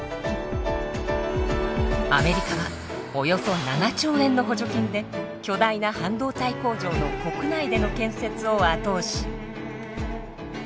アメリカはおよそ７兆円の補助金で巨大な半導体工場の国内での建設を後押し。